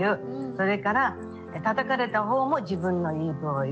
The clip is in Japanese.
それからたたかれたほうも自分の言い分を言う。